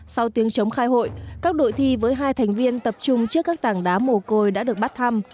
sau tiếng chống khai hội các đội thi với hai thành viên tập trung trước các tảng đá mồ côi đã được bắt thăm